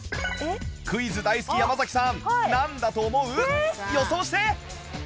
クイズ大好き山崎さんなんだと思う？予想して！